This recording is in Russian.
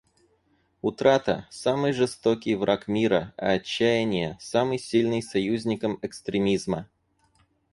Утрата — самый жестокий враг мира, а отчаяние — самый сильный союзником экстремизма.